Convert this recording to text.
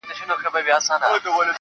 ه ژوند نه و، را تېر سومه له هر خواهیسه .